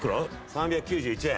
３９１円。